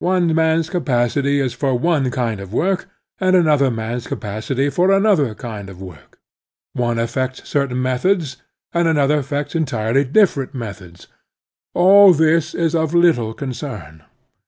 One man's capacity is for one kind of work and another man's capacity for another Idnd of work. One affects certain methods and another affects entirely different methods. All this is of little concern.